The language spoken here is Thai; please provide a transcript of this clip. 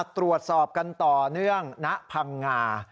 ตรวจสอบกันต่อเนื่องณพังงา